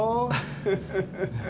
フフフフ。